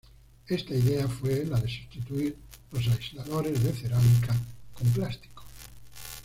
Esta idea fue la de sustituir los aisladores de cerámica con plástico.